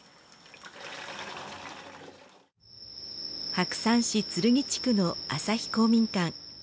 白山市鶴来地区の朝日公民館。